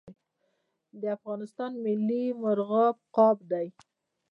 د افغانستان ملي مرغه عقاب دی